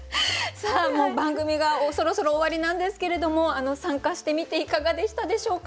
さあもう番組がそろそろ終わりなんですけれども参加してみていかがでしたでしょうか？